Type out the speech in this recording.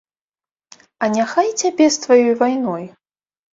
А няхай цябе з тваёй вайной.